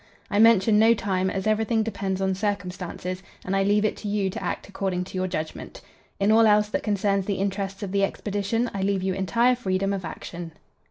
I mention no time, as everything depends on circumstances, and I leave it to you to act according to your judgment. "In all else that concerns the interests of the Expedition, I leave you entire freedom of action.